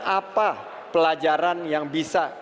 apa pelajaran yang bisa